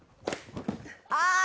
ああ！